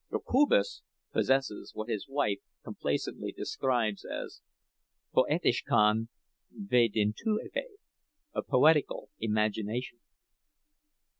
Jokubas possesses what his wife complacently describes as "poetiszka vaidintuve"—a poetical imagination.